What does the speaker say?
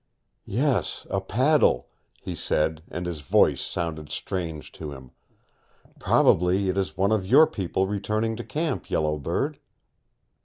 "Yes, a paddle," he said, and his voice sounded strange to him. "Probably it is one of your people returning to camp, Yellow Bird."